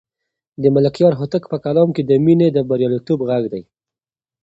د ملکیار هوتک په کلام کې د مینې د بریالیتوب غږ دی.